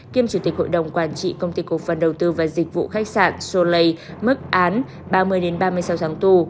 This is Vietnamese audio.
kiêm chủ tịch hội đồng quản trị công ty cổ phần đầu tư và dịch vụ khách sạn solay mức án ba mươi ba mươi sáu tháng tù